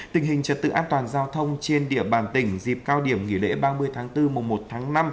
tình hình trật tự an toàn giao thông trên địa bàn tỉnh dịp cao điểm nghỉ lễ ba mươi tháng bốn mùa một tháng năm